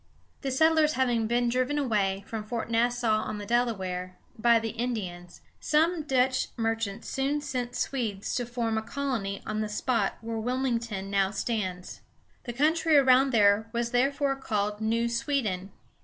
The settlers having been driven away from Fort Nassau, on the Delaware, by the Indians, some Dutch merchants soon sent Swedes to form a colony on the spot where Wil´ming ton now stands. The country around there was therefore called New Sweden.